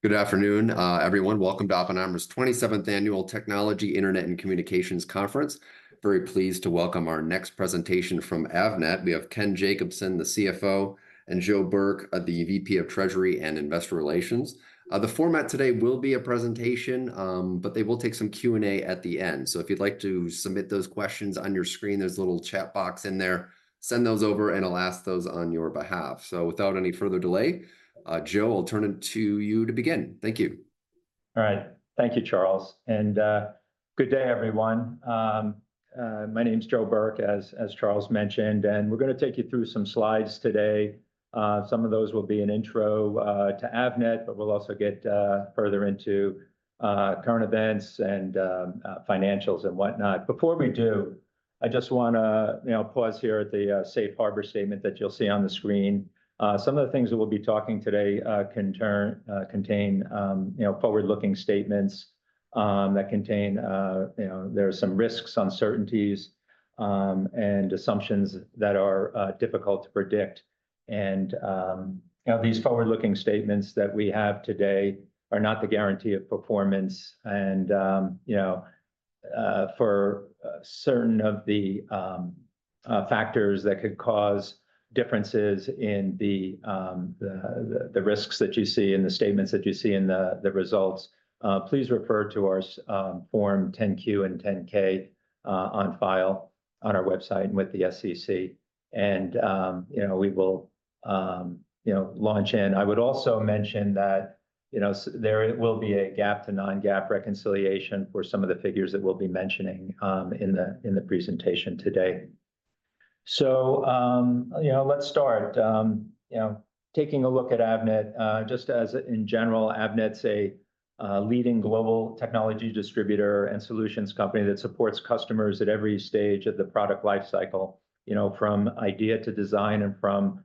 Good afternoon, everyone. Welcome to Oppenheimer's 27th Annual Technology, Internet, and Communications Conference. Very pleased to welcome our next presentation from Avnet. We have Ken Jacobson, the CFO, and Joe Burke, the VP of Treasury and Investor Relations. The format today will be a presentation, but they will take some Q&A at the end. So if you'd like to submit those questions, on your screen, there's a little chat box in there. Send those over, and I'll ask those on your behalf. So without any further delay, Joe, I'll turn it to you to begin. Thank you. All right. Thank you, Charles, and good day, everyone. My name's Joe Burke, as Charles mentioned, and we're gonna take you through some slides today. Some of those will be an intro to Avnet, but we'll also get further into current events and financials and whatnot. Before we do, I just wanna, you know, pause here at the Safe Harbor Statement that you'll see on the screen. Some of the things that we'll be talking today can contain, you know, forward-looking statements that contain, you know, there are some risks, uncertainties, and assumptions that are difficult to predict. You know, these forward-looking statements that we have today are not the guarantee of performance, and you know, for certain of the factors that could cause differences in the risks that you see and the statements that you see in the results, please refer to our Form 10-Q and Form 10-K on file on our website and with the SEC, and you know, we will launch in. I would also mention that, you know, there will be a GAAP to non-GAAP reconciliation for some of the figures that we'll be mentioning in the presentation today. You know, let's start. You know, taking a look at Avnet, just as in general, Avnet's a leading global technology distributor and solutions company that supports customers at every stage of the product life cycle, you know, from idea to design and from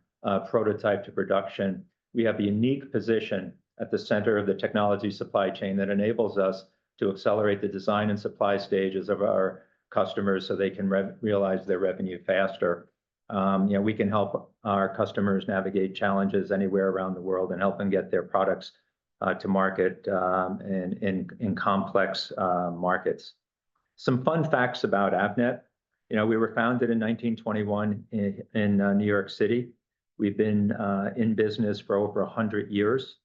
prototype to production. We have the unique position at the center of the technology supply chain that enables us to accelerate the design and supply stages of our customers, so they can realize their revenue faster. You know, we can help our customers navigate challenges anywhere around the world and help them get their products to market in complex markets. Some fun facts about Avnet: you know, we were founded in 1921 in New York City. We've been in business for over 100 years,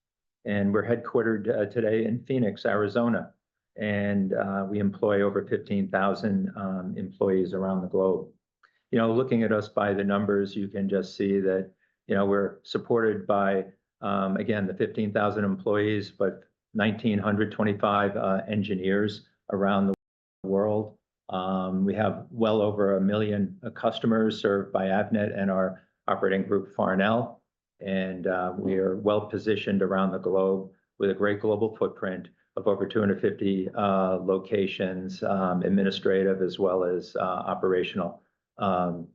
and we're headquartered today in Phoenix, Arizona, and we employ over 15,000 employees around the globe. You know, looking at us by the numbers, you can just see that, you know, we're supported by, again, the 15,000 employees, but 1,925 engineers around the world. We have well over 1 million customers served by Avnet and our operating group, Farnell, and we are well-positioned around the globe with a great global footprint of over 250 locations, administrative as well as operational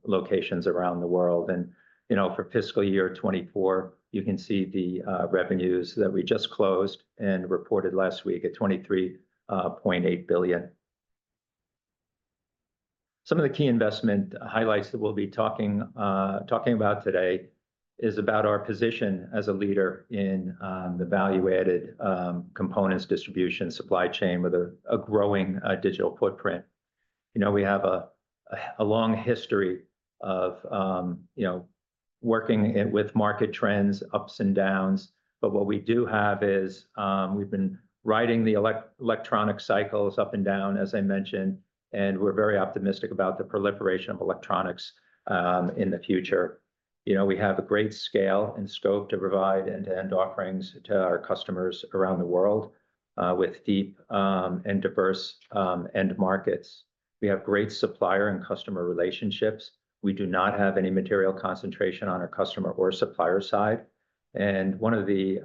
locations around the world. And, you know, for fiscal year 2024, you can see the revenues that we just closed and reported last week at $23.8 billion. Some of the key investment highlights that we'll be talking about today is about our position as a leader in the value-added components distribution supply chain with a long history of you know working with market trends, ups and downs, but what we do have is we've been riding the electronic cycles up and down, as I mentioned, and we're very optimistic about the proliferation of electronics in the future. You know, we have a great scale and scope to provide end-to-end offerings to our customers around the world with deep and diverse end markets. We have great supplier and customer relationships. We do not have any material concentration on our customer or supplier side. And one of the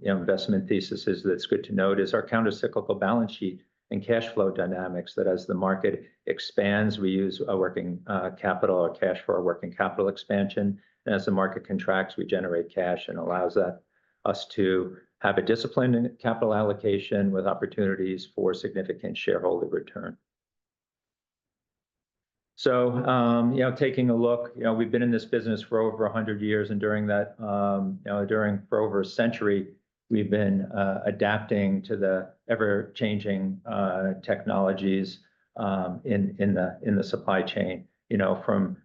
investment theses that's good to note is our countercyclical balance sheet and cash flow dynamics, that as the market expands, we use our working capital or cash for our working capital expansion, and as the market contracts, we generate cash, and allows us to have a disciplined capital allocation with opportunities for significant shareholder return. So, you know, taking a look, you know, we've been in this business for over 100 years, and for over a century, we've been adapting to the ever-changing technologies in the supply chain. You know, from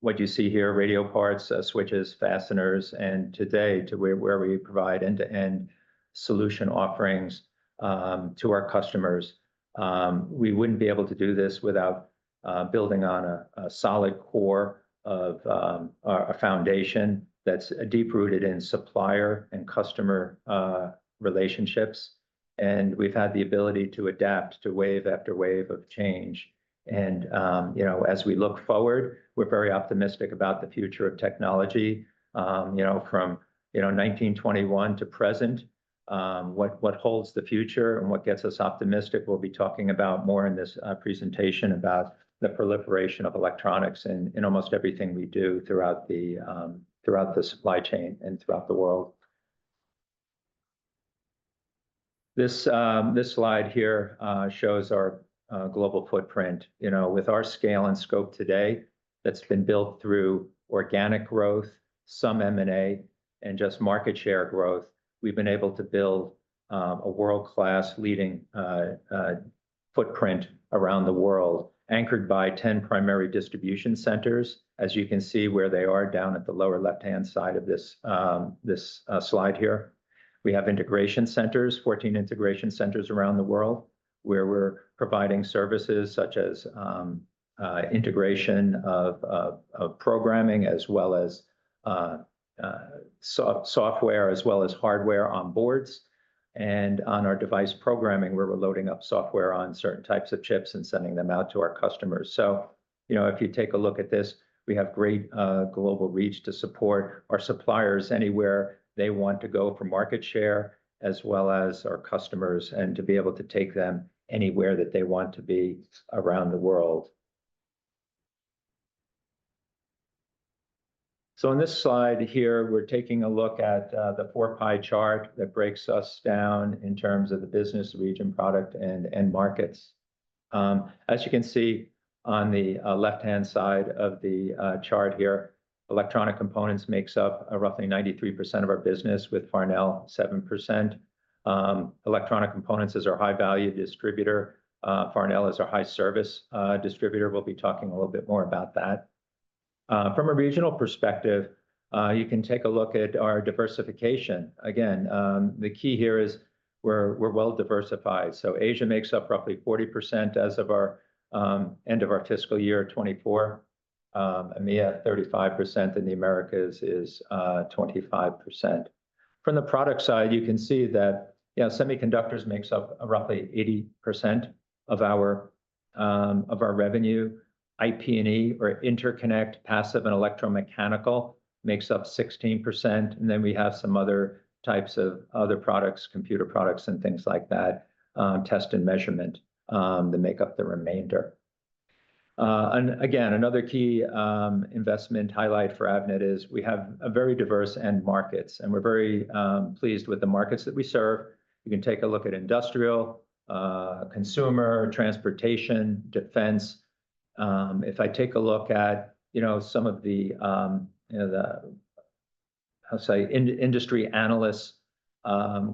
what you see here, radio parts, switches, fasteners, and today to where we provide end-to-end solution offerings to our customers. We wouldn't be able to do this without building on a solid core of a foundation that's deep-rooted in supplier and customer relationships, and we've had the ability to adapt to wave after wave of change. And you know, as we look forward, we're very optimistic about the future of technology. You know, from 1921 to present, what holds the future and what gets us optimistic, we'll be talking about more in this presentation about the proliferation of electronics in almost everything we do throughout the supply chain and throughout the world. This slide here shows our global footprint. You know, with our scale and scope today, that's been built through organic growth, some M&A, and just market share growth, we've been able to build a world-class leading footprint around the world, anchored by 10 primary distribution centers, as you can see where they are down at the lower left-hand side of this slide here. We have integration centers, 14 integration centers around the world, where we're providing services such as integration of programming, as well as software, as well as hardware on boards. On our device programming, where we're loading up software on certain types of chips and sending them out to our customers. You know, if you take a look at this, we have great global reach to support our suppliers anywhere they want to go for market share, as well as our customers, and to be able to take them anywhere that they want to be around the world. On this slide here, we're taking a look at the four-pie chart that breaks us down in terms of the business region, product, and end markets. As you can see on the left-hand side of the chart here, Electronic Components makes up roughly 93% of our business, with Farnell 7%. Electronic Components is our high-value distributor. Farnell is our high-service distributor. We'll be talking a little bit more about that. From a regional perspective, you can take a look at our diversification. Again, the key here is we're well diversified. So Asia makes up roughly 40% as of our end of our fiscal year 2024, EMEA, 35%, and the Americas is twenty-five percent. From the product side, you can see that, yeah, semiconductors makes up roughly 80% of our of our revenue. IP&E, or Interconnect, Passive and Electromechanical, makes up 16%, and then we have some other types of other products, computer products and things like that, test and measurement, that make up the remainder. And again, another key investment highlight for Avnet is we have a very diverse end markets, and we're very pleased with the markets that we serve. You can take a look at industrial, consumer, transportation, defense. If I take a look at, you know, some of the, I'll say, industry analyst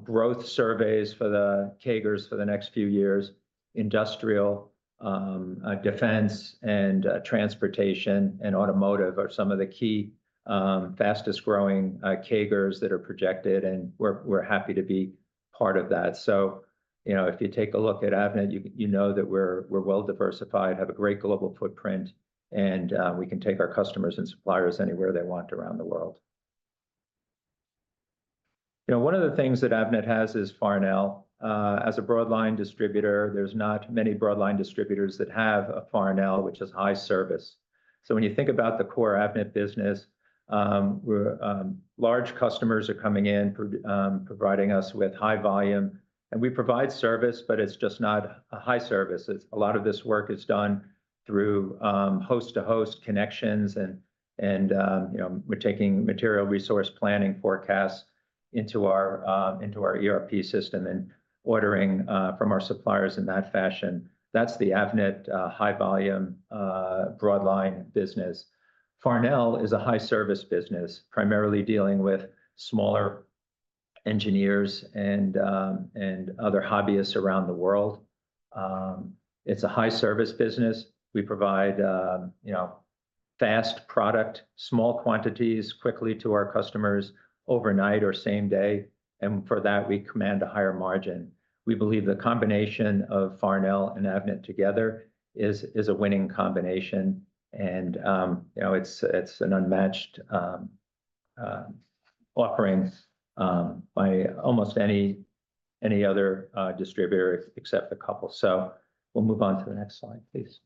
growth surveys for the CAGRs for the next few years, industrial, defense, and transportation and automotive are some of the key fastest-growing CAGRs that are projected, and we're happy to be part of that. So, you know, if you take a look at Avnet, you know that we're well diversified, have a great global footprint, and we can take our customers and suppliers anywhere they want around the world. You know, one of the things that Avnet has is Farnell. As a broadline distributor, there's not many broadline distributors that have a Farnell, which is high service. So when you think about the core Avnet business, our large customers are coming in, providing us with high volume, and we provide service, but it's just not a high service. It's a lot of this work is done through host-to-host connections and you know, we're taking material resource planning forecasts into our into our ERP system and ordering from our suppliers in that fashion. That's the Avnet high-volume broadline business. Farnell is a high-service business, primarily dealing with smaller engineers and other hobbyists around the world. It's a high-service business. We provide you know, fast product, small quantities quickly to our customers overnight or same day, and for that, we command a higher margin. We believe the combination of Farnell and Avnet together is a winning combination, and, you know, it's an unmatched offerings by almost any other distributor except a couple. So we'll move on to the next slide, please.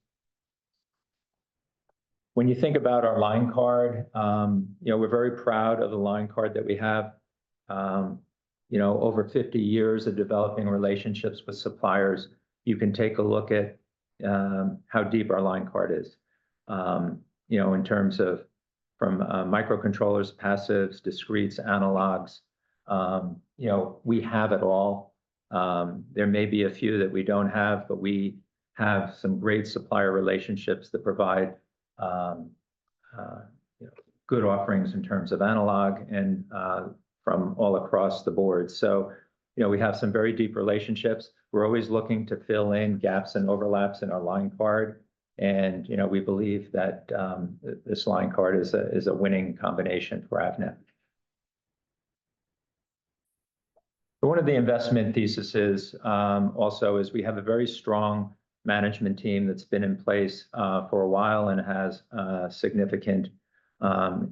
When you think about our line card, you know, we're very proud of the line card that we have. You know, over 50 years of developing relationships with suppliers, you can take a look at how deep our line card is. You know, in terms of microcontrollers, passives, discretes, analogs, you know, we have it all. There may be a few that we don't have, but we have some great supplier relationships that provide, you know, good offerings in terms of analog and from all across the board. You know, we have some very deep relationships. We're always looking to fill in gaps and overlaps in our line card, and, you know, we believe that this line card is a winning combination for Avnet. One of the investment theses also is we have a very strong management team that's been in place for a while and has significant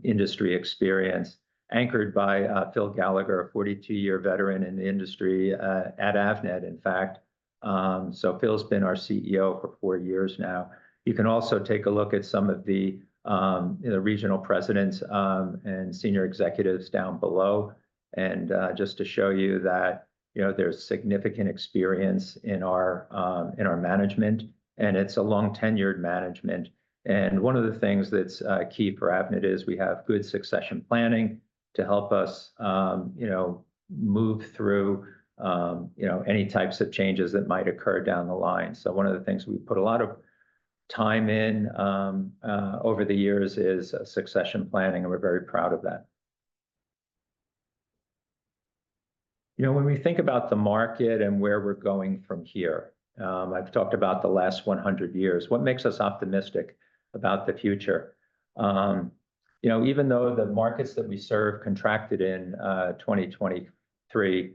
industry experience, anchored by Phil Gallagher, a 42-year veteran in the industry at Avnet, in fact. So Phil's been our CEO for 4 years now. You can also take a look at some of the, you know, regional presidents and senior executives down below, and just to show you that, you know, there's significant experience in our management, and it's a long-tenured management. One of the things that's key for Avnet is we have good succession planning to help us, you know, move through, you know, any types of changes that might occur down the line. One of the things we put a lot of time in, over the years is, succession planning, and we're very proud of that. You know, when we think about the market and where we're going from here, I've talked about the last 100 years, what makes us optimistic about the future? You know, even though the markets that we serve contracted in, 2023,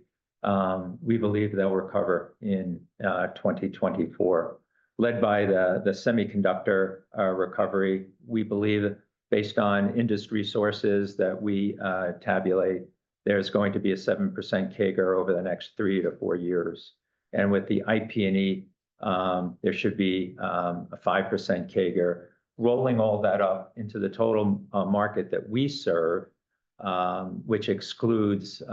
we believe they'll recover in, 2024. Led by the semiconductor recovery, we believe, based on industry sources that we tabulate, there's going to be a 7% CAGR over the next 3-4 years, and with the IP&E, there should be a 5% CAGR. Rolling all that up into the total market that we serve, which excludes, you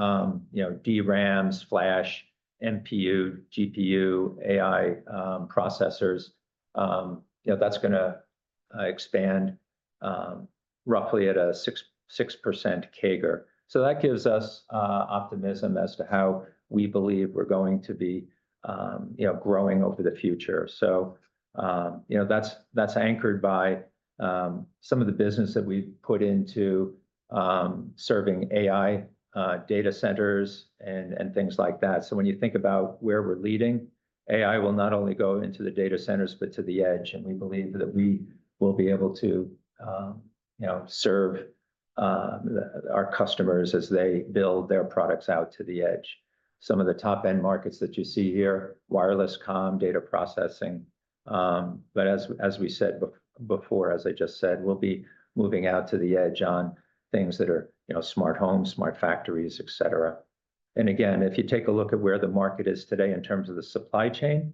know, DRAMs, flash, NPU, GPU, AI processors, you know, that's gonna expand roughly at a 6% CAGR. So that gives us optimism as to how we believe we're going to be, you know, growing over the future. So, you know, that's anchored by some of the business that we've put into serving AI data centers, and things like that. So when you think about where we're leading, AI will not only go into the data centers, but to the edge, and we believe that we will be able to, you know, serve, our customers as they build their products out to the edge. Some of the top-end markets that you see here, wireless comm, data processing, but as we said before, as I just said, we'll be moving out to the edge on things that are, you know, smart homes, smart factories, et cetera. And again, if you take a look at where the market is today in terms of the supply chain,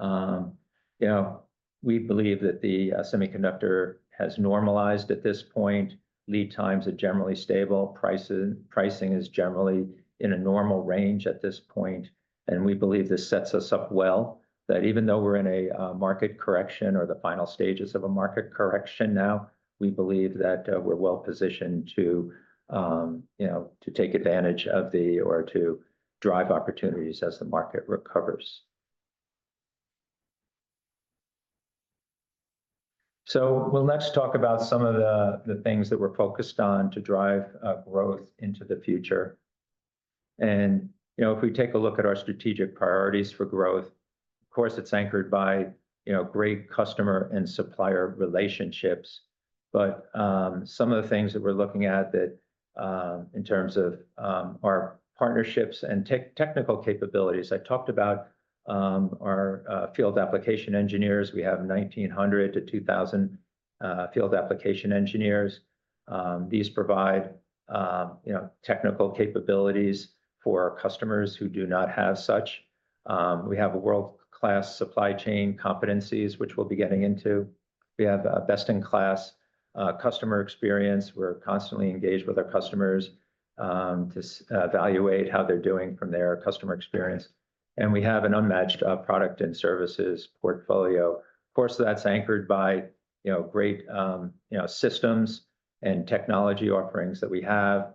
you know, we believe that the semiconductor has normalized at this point. Lead times are generally stable. Pricing is generally in a normal range at this point, and we believe this sets us up well, that even though we're in a market correction or the final stages of a market correction now, we believe that we're well-positioned to, you know, to take advantage of the or to drive opportunities as the market recovers. So we'll next talk about some of the things that we're focused on to drive growth into the future. And, you know, if we take a look at our strategic priorities for growth, of course, it's anchored by, you know, great customer and supplier relationships, but some of the things that we're looking at that in terms of our partnerships and technical capabilities, I talked about our field application engineers. We have 1,900-2,000 field application engineers. These provide, you know, technical capabilities for our customers who do not have such. We have a world-class supply chain competencies, which we'll be getting into. We have a best-in-class customer experience. We're constantly engaged with our customers to evaluate how they're doing from their customer experience, and we have an unmatched product and services portfolio. Of course, that's anchored by, you know, great, you know, systems and technology offerings that we have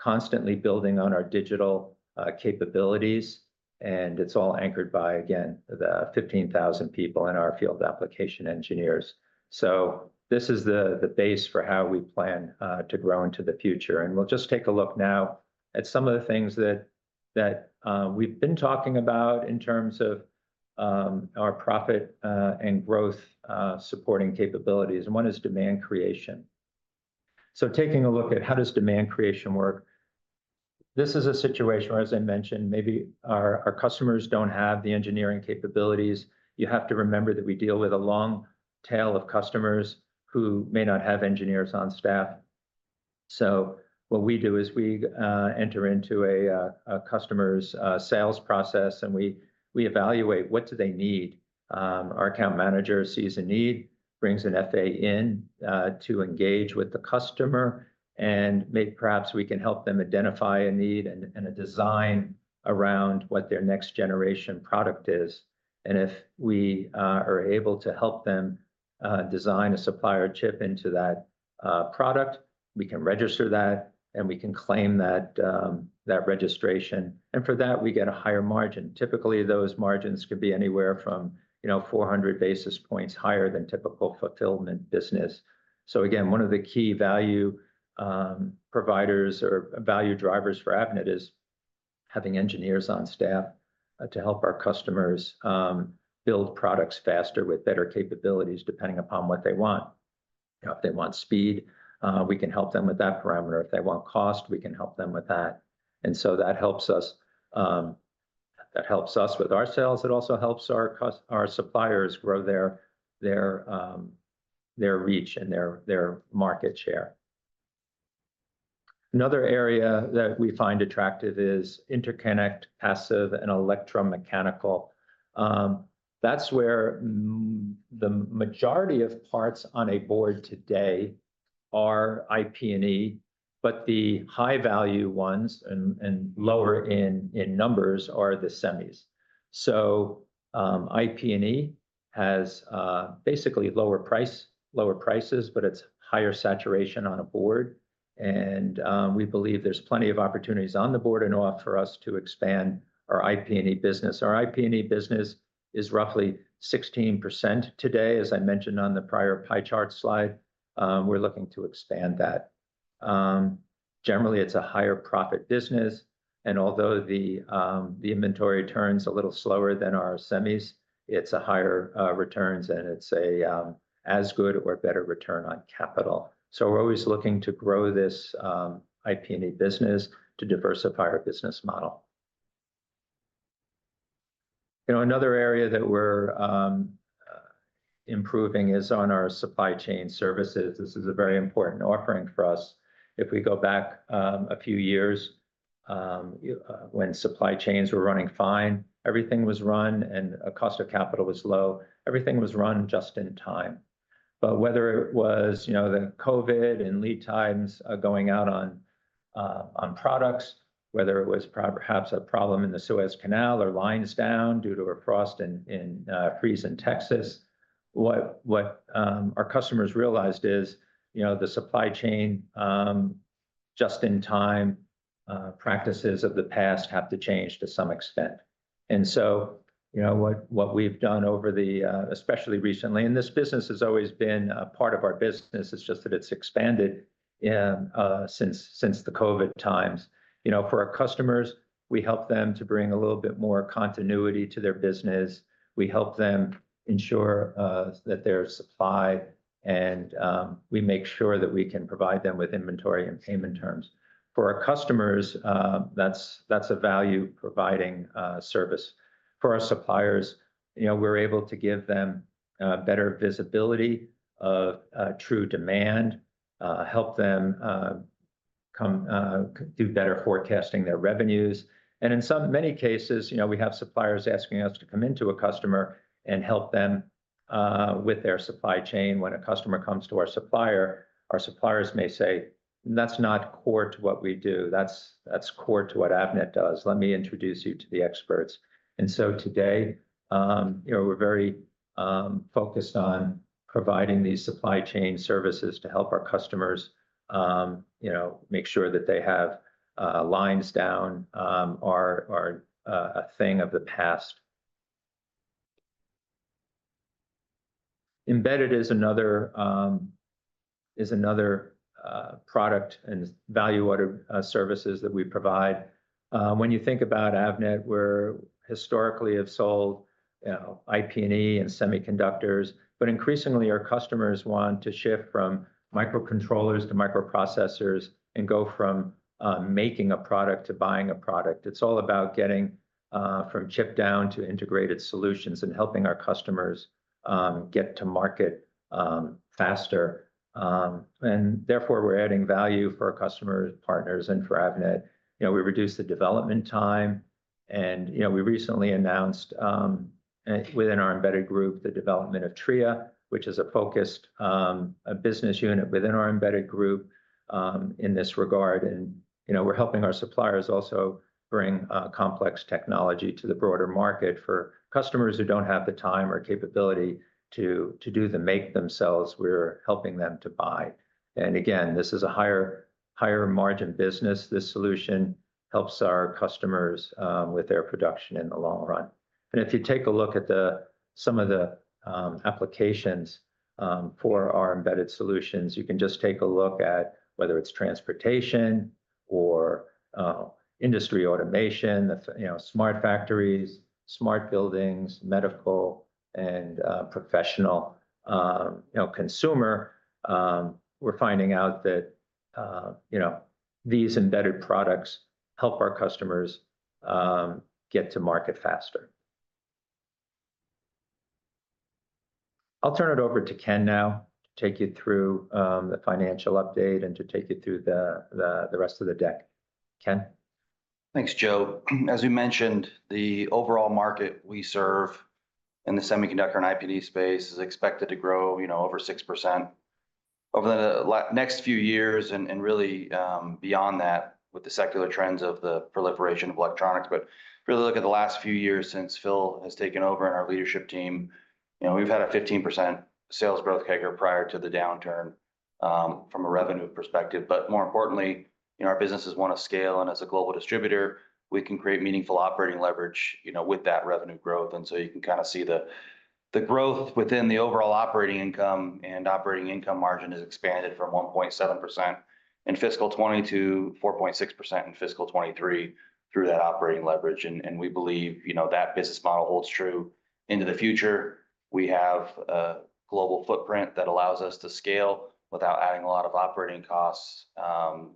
constantly building on our digital capabilities, and it's all anchored by, again, the 15,000 people in our field application engineers. So this is the base for how we plan to grow into the future, and we'll just take a look now at some of the things that we've been talking about in terms of our profit and growth supporting capabilities, and one is demand creation. So taking a look at how does demand creation work, this is a situation where, as I mentioned, maybe our customers don't have the engineering capabilities. You have to remember that we deal with a long tail of customers who may not have engineers on staff. So what we do is we enter into a customer's sales process, and we evaluate what do they need. Our account manager sees a need, brings an FA in to engage with the customer, and may perhaps we can help them identify a need and a design around what their next-generation product is. And if we are able to help them design a supplier chip into that product, we can register that, and we can claim that registration, and for that, we get a higher margin. Typically, those margins could be anywhere from, you know, 400 basis points higher than typical fulfillment business. So again, one of the key value providers or value drivers for Avnet is having engineers on staff to help our customers build products faster with better capabilities, depending upon what they want. You know, if they want speed, we can help them with that parameter. If they want cost, we can help them with that. And so that helps us, that helps us with our sales. It also helps our our suppliers grow their, their reach and their market share. Another area that we find attractive is interconnect, passive, and electromechanical. That's where the majority of parts on a board today are IP&E, but the high-value ones and lower in numbers are the semis. So, IP&E has basically lower prices, but it's higher saturation on a board and we believe there's plenty of opportunities on the board and off for us to expand our IP&E business. Our IP&E business is roughly 16% today, as I mentioned on the prior pie chart slide. We're looking to expand that. Generally, it's a higher profit business, and although the inventory turns a little slower than our semis, it's a higher returns, and it's as good or better return on capital. So we're always looking to grow this IP&E business to diversify our business model. You know, another area that we're improving is on our supply chain services. This is a very important offering for us. If we go back a few years, when supply chains were running fine, everything was run, and cost of capital was low, everything was run just in time. But whether it was, you know, the COVID and lead times going out on, on products, whether it was perhaps a problem in the Suez Canal or lines down due to a frost and freeze in Texas, what our customers realized is, you know, the supply chain just-in-time practices of the past have to change to some extent. And so, you know, what we've done over the, especially recently, and this business has always been a part of our business, it's just that it's expanded since the COVID times. You know, for our customers, we help them to bring a little bit more continuity to their business. We help them ensure that there's supply, and we make sure that we can provide them with inventory and payment terms. For our customers, that's, that's a value-providing service. For our suppliers, you know, we're able to give them better visibility of true demand, help them do better forecasting their revenues. And in some many cases, you know, we have suppliers asking us to come into a customer and help them with their supply chain. When a customer comes to our supplier, our suppliers may say, "That's not core to what we do. That's, that's core to what Avnet does. Let me introduce you to the experts." And so today, you know, we're very focused on providing these supply chain services to help our customers, you know, make sure that they have lines down are a thing of the past. Embedded is another product and value-added services that we provide. When you think about Avnet, we're historically have sold, you know, IP&E and semiconductors, but increasingly our customers want to shift from microcontrollers to microprocessors and go from making a product to buying a product. It's all about getting from chip down to integrated solutions and helping our customers get to market faster. Therefore, we're adding value for our customer partners and for Avnet. You know, we reduce the development time, and you know, we recently announced within our embedded group the development of Tria, which is a focused business unit within our embedded group in this regard. You know, we're helping our suppliers also bring complex technology to the broader market. For customers who don't have the time or capability to do the make themselves, we're helping them to buy. And again, this is a higher, higher margin business. This solution helps our customers with their production in the long run. And if you take a look at some of the applications for our embedded solutions, you can just take a look at whether it's transportation or industry automation, you know, smart factories, smart buildings, medical, and professional, you know, consumer. We're finding out that, you know, these embedded products help our customers get to market faster. I'll turn it over to Ken now to take you through the financial update and to take you through the rest of the deck. Ken? Thanks, Joe. As we mentioned, the overall market we serve in the semiconductor and IP&E space is expected to grow, you know, over 6% over the next few years and really, beyond that with the secular trends of the proliferation of electronics. But if you really look at the last few years since Phil has taken over and our leadership team, you know, we've had a 15% sales growth CAGR prior to the downturn, from a revenue perspective. But more importantly, you know, our businesses want to scale, and as a global distributor, we can create meaningful operating leverage, you know, with that revenue growth. And so you can kind of see the growth within the overall operating income, and operating income margin has expanded from 1.7% in fiscal 2020 to 4.6% in fiscal 2023 through that operating leverage. We believe, you know, that business model holds true into the future. We have a global footprint that allows us to scale without adding a lot of operating costs.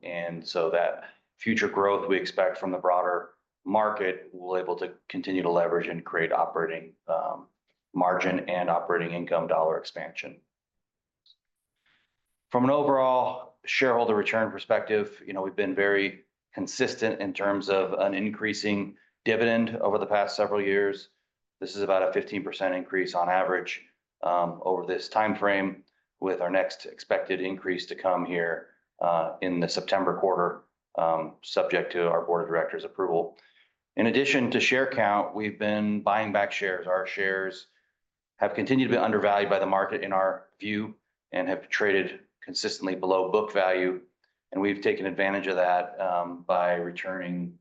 And so that future growth we expect from the broader market, we're able to continue to leverage and create operating margin and operating income dollar expansion. From an overall shareholder return perspective, you know, we've been very consistent in terms of an increasing dividend over the past several years. This is about a 15% increase on average over this timeframe, with our next expected increase to come here in the September quarter, subject to our board of directors' approval. In addition to share count, we've been buying back shares. Our shares have continued to be undervalued by the market, in our view, and have traded consistently below book value, and we've taken advantage of that by returning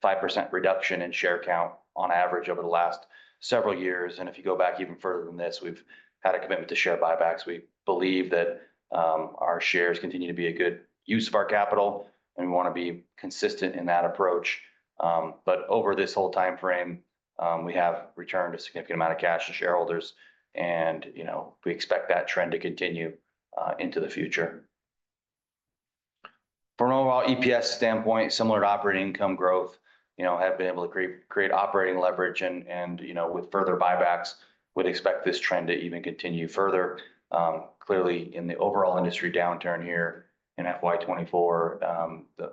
five percent reduction in share count on average over the last several years. If you go back even further than this, we've had a commitment to share buybacks. We believe that our shares continue to be a good use of our capital, and we wanna be consistent in that approach. But over this whole timeframe, we have returned a significant amount of cash to shareholders, and, you know, we expect that trend to continue into the future. From an overall EPS standpoint, similar to operating income growth, you know, have been able to create operating leverage, and, you know, with further buybacks, would expect this trend to even continue further. Clearly, in the overall industry downturn here in FY 2024,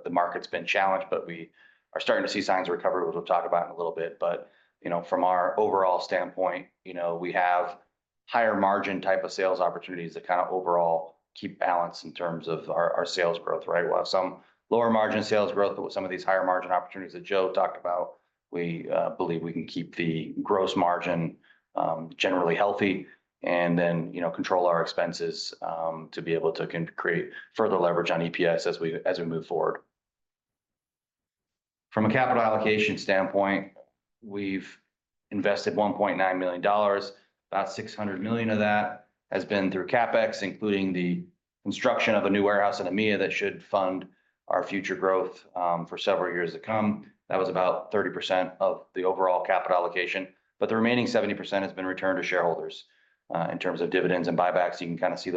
the market's been challenged, but we are starting to see signs of recovery, which we'll talk about in a little bit. But, you know, from our overall standpoint, you know, we have higher margin type of sales opportunities that kind of overall keep balance in terms of our sales growth, right? We'll have some lower margin sales growth, but with some of these higher margin opportunities that Joe talked about, we believe we can keep the gross margin generally healthy and then, you know, control our expenses to be able to create further leverage on EPS as we move forward. From a capital allocation standpoint, we've invested $1.9 billion. About $600 million of that has been through CapEx, including the construction of a new warehouse in EMEA that should fund our future growth for several years to come. That was about 30% of the overall capital allocation, but the remaining 70% has been returned to shareholders. In terms of dividends and buybacks, you can kind of see the.